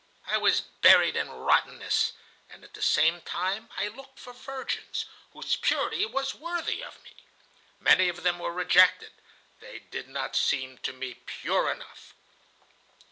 I was buried in rottenness, and at the same time I looked for virgins, whose purity was worthy of me! Many of them were rejected: they did not seem to me pure enough!